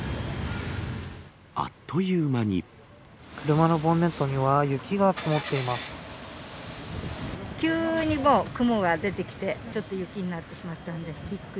車のボンネットには、雪が積急にもう雲が出てきて、ちょっと雪になってしまったんで、びっくり。